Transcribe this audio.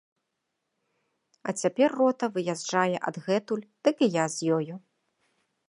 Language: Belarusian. А цяпер рота выязджае адгэтуль, дык і я з ёю.